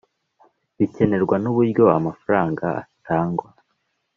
Bikenerwa N Uburyo Amafaranga Atangwa